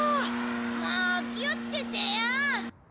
もう気をつけてよ。